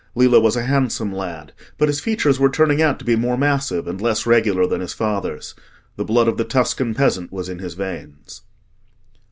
Lillo was a handsome lad, but his features were turning out to be more massive and less regular than his father's. The blood of the Tuscan peasant was in his veins.